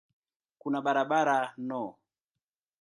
Kuna barabara no.